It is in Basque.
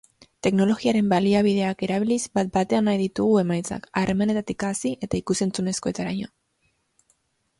Teknologiaren baliabideak erabiliz bat-batean nahi ditugu emaitzak, harremanetatik hasi eta ikus-entzunezkoetaraino.